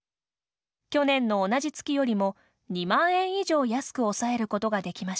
去年の同じ月よりも２万円以上安く抑えることができました。